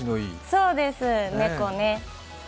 そうです、猫ね。